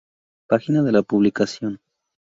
Página de la publicación